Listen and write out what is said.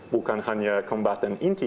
bukan hanya kembatan inti